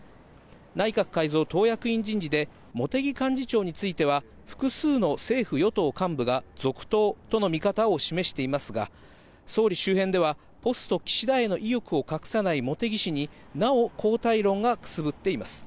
内閣改造・党役員人事で、茂木幹事長については複数の政府・与党幹部が続投との見方を示していますが、総理周辺ではポスト岸田への意欲を隠さない茂木氏に、なお交代論がくすぶっています。